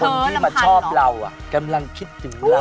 คนที่มาชอบเรากำลังคิดถึงเรา